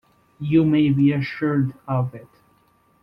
You may be assured of it.